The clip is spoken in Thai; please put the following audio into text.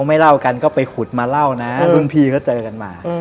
ไม่เล่ากันก็ไปขุดมาเล่านะรุ่นพี่ก็เจอกันมา